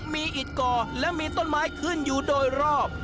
มีอิดก่อและมีต้นไม้ขึ้นอยู่โดยรอบ